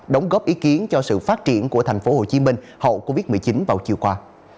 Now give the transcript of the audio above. đóng góp ý kiến cho sự phát triển của thành phố hồ chí minh hậu covid một mươi chín vào chiều qua